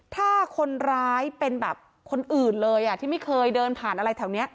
ถ้าคนร้ายเป็นแบบคนอื่นเลยอ่ะที่ไม่เคยเดินผ่านอะไรแถวนี้